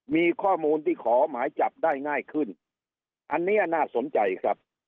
มีข้อมูลที่ขอหมายจับได้ง่ายขึ้นอันนี้น่าสนใจครับ